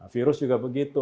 virus juga begitu